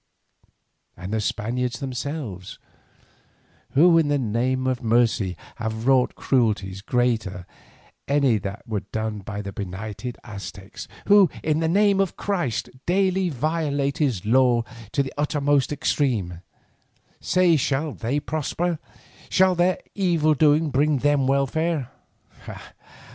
And the Spaniards themselves, who in the name of mercy have wrought cruelties greater than any that were done by the benighted Aztecs, who in the name of Christ daily violate His law to the uttermost extreme, say shall they prosper, shall their evil doing bring them welfare?